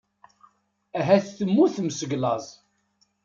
Ahat temmutem seg laẓ.